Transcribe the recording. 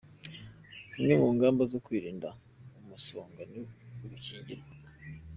Zimwe mu ngamba zo kwirinda umusonga, ni ugukingirwa